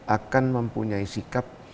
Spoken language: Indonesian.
akan mempunyai sikap